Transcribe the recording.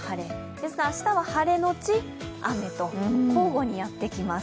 ですが明日は晴れのち雨と交互にやってきます。